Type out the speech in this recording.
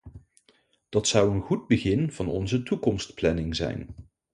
Dat zou een goed begin van onze toekomstplanning zijn!